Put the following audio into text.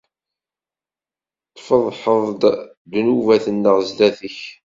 Tfeḍḥeḍ-d ddnubat-nneɣ sdat-k.